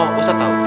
oh ustaz tahu